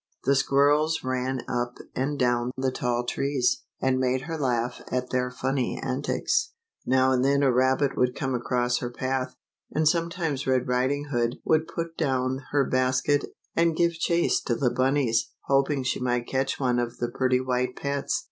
The squirrels ran up and down the tall trees, and made her laugh at their funny antics. Now 45 RED RIDING HOOD IN BAD COMPANY. LITTLE RED RIDING HOOD. and then a rabbit would come across her path, and sometimes Red Riding Hood would put down her basket, and give chase to the bunnies, hoping she might catch one of the pretty white pets.